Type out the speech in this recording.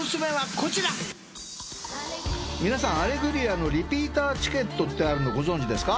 皆さん『アレグリア』のリピーターチケットってあるのご存じですか？